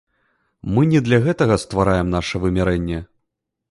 Мы не для гэтага ствараем наша вымярэнне.